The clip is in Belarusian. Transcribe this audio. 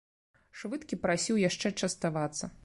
Швыдкі прасіў яшчэ частавацца.